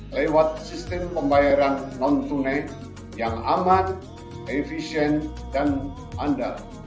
lewat sistem pembayaran non tunai yang aman efisien dan andal